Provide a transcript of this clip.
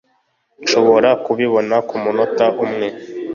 nshobora kubibona kumunota umwe